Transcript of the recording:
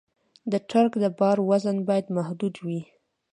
د ټرک د بار وزن باید محدود وي.